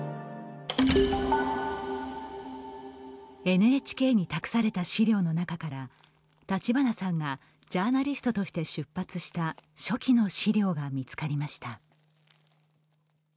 ＮＨＫに託された資料の中から立花さんがジャーナリストとして出発した初期の資料が見つかりました。